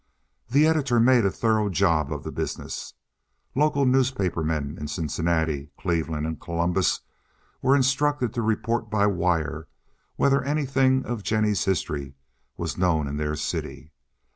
The editor made a thorough job of the business. Local newspaper men in Cincinnati, Cleveland, and Columbus were instructed to report by wire whether anything of Jennie's history was known in their city.